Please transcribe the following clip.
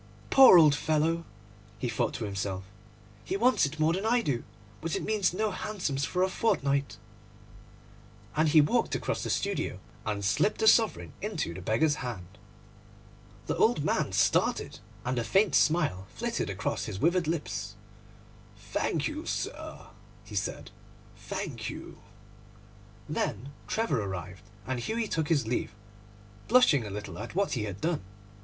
'Poor old fellow,' he thought to himself, 'he wants it more than I do, but it means no hansoms for a fortnight'; and he walked across the studio and slipped the sovereign into the beggar's hand. The old man started, and a faint smile flitted across his withered lips. 'Thank you, sir,' he said, 'thank you.' Then Trevor arrived, and Hughie took his leave, blushing a little at what he had done.